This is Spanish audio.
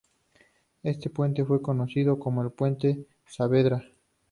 Este puente fue conocido como el "Puente Saavedra".